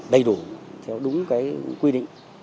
đầy đủ theo đúng quy định